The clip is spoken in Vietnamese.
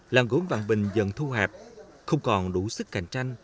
làng gốm vạn bình dần thu hẹp không còn đủ sức cạnh tranh